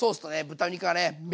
豚肉がね